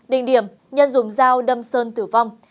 định điểm nhân dùng dao đâm sơn tử vong